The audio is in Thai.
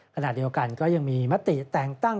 ขณะเดียวกันก็ยังมีมติแต่งตั้ง